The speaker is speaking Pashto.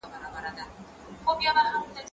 زه پرون کالي وچوم وم!